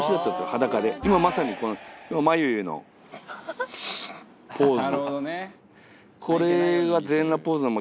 裸で今まさにまゆゆのポーズ